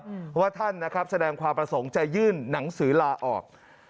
เพราะว่าท่านนะครับแสดงความประสงค์จะยื่นหนังสือลาออก